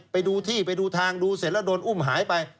ไปดูที่ไปดูทางดูเสร็จแล้วโดนอุ้มหายไป